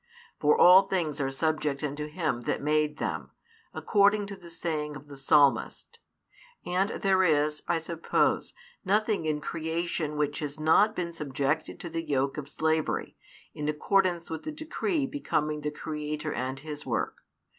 For all things are subject unto Him that made them, according to the saying of the Psalmist; and there is, I suppose, nothing in Creation which has not been subjected to the yoke of slavery, in accordance with the |404 decree becoming the Creator and His work.